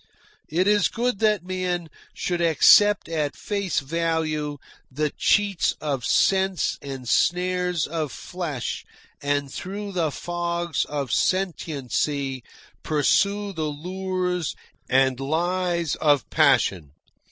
It is good that man should accept at face value the cheats of sense and snares of flesh and through the fogs of sentiency pursue the lures and lies of passion.